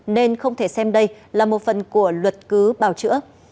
nên không thể xem đây là một phần của luật cứu báo chữa